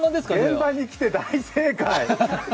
現場に来て大正解。